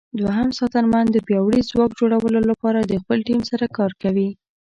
دوهم ساتنمن د پیاوړي ځواک جوړولو لپاره د خپل ټیم سره کار کوي.